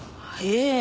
ええ。